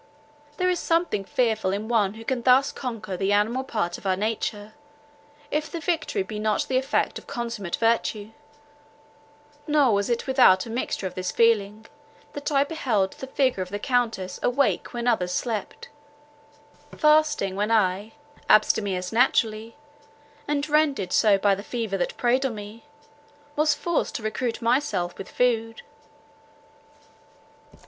There is something fearful in one who can thus conquer the animal part of our nature, if the victory be not the effect of consummate virtue; nor was it without a mixture of this feeling, that I beheld the figure of the Countess awake when others slept, fasting when I, abstemious naturally, and rendered so by the fever that preyed on me, was forced to recruit myself with food.